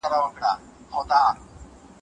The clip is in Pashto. آیا دا څېړنه له نړیوالو معیارونو سره برابره ده؟